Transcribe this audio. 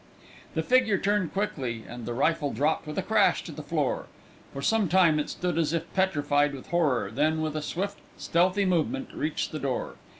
The figure turned quickly, and the rifle dropped with a crash to the floor. For some time it stood as if petrified with horror, then with a swift, stealthy movement reached the door.